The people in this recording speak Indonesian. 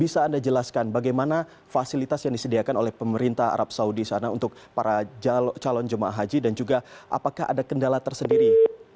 bisa anda jelaskan bagaimana fasilitas yang disediakan oleh pemerintah arab saudi sana untuk para calon jemaah haji dan juga apakah ada kendala tersendiri